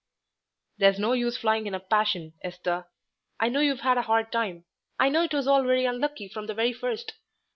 "There's no use flying in a passion, Esther. I know you've had a hard time. I know it was all very unlucky from the very first.